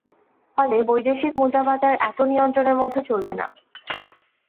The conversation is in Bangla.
ফলে বৈদেশিক মুদ্রাবাজার এত নিয়ন্ত্রণের মধ্যে চলবে না।